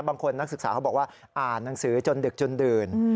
นักศึกษาเขาบอกว่าอ่านหนังสือจนดึกจนดื่น